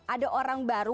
ada orang baru